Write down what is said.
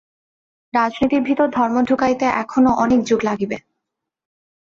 রাজনীতির ভিতর ধর্ম ঢুকাইতে এখনও অনেক যুগ লাগিবে।